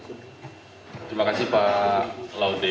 terima kasih pak laude